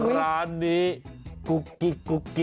ร้านนี้กุกกิกกุกกิ